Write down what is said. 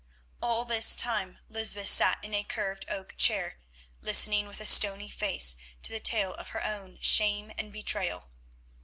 All this time Lysbeth sat in a carved oak chair listening with a stony face to the tale of her own shame and betrayal.